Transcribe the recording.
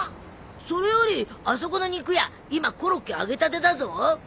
それよりあそこの肉屋今コロッケ揚げたてだぞ。